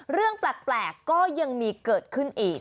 เรื่องแปลกก็ยังมีเกิดขึ้นอีก